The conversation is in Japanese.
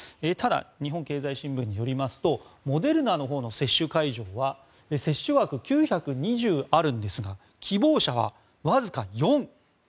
ただ日本経済新聞によりますとモデルナのほうの接種会場は接種枠９２０あるんですが希望者はわずか４。